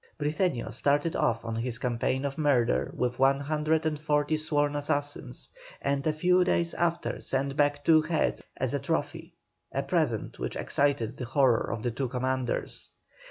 Briceño started off on his campaign of murder with one hundred and forty sworn assassins, and a few days after sent back two heads as a trophy, a present which excited the horror of the two commanders.